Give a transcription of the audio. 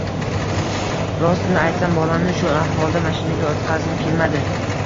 Rostini aytsam, bolani shu ahvolda mashinaga o‘tqazgim kelmadi.